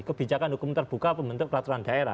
kebijakan hukum terbuka pembentuk peraturan daerah